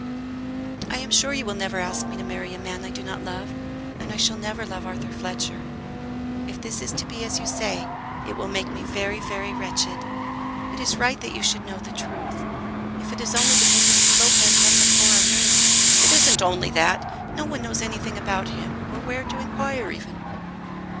"I am sure you will never ask me to marry a man I do not love, and I shall never love Arthur Fletcher. If this is to be as you say, it will make me very, very wretched. It is right that you should know the truth. If it is only because Mr. Lopez has a foreign name " "It isn't only that; no one knows anything about him, or where to inquire even."